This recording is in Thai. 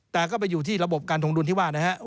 แต่ก็ไปอยู่ที่ระบบการทงดุลที่ว่านะครับ